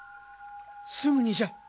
すぐにじゃ！